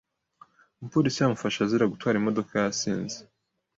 Umupolisi yamufashe azira gutwara imodoka yasinze.